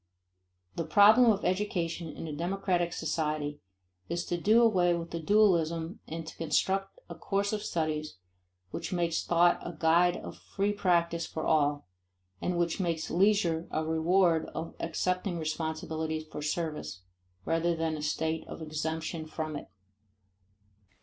The problem of education in a democratic society is to do away with the dualism and to construct a course of studies which makes thought a guide of free practice for all and which makes leisure a reward of accepting responsibility for service, rather than a state of exemption from it.